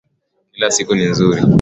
Kila siku ni nzuri